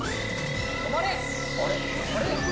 止まれ！